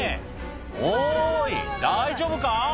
おい大丈夫か？